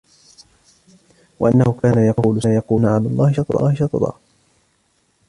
وأنه كان يقول سفيهنا على الله شططا